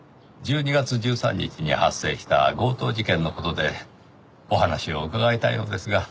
１２月１３日に発生した強盗事件の事でお話を伺いたいのですが。